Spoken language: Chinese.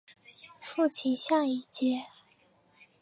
父亲向以节。